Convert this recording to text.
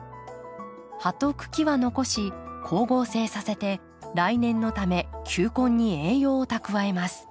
葉と茎は残し光合成させて来年のため球根に栄養を蓄えます。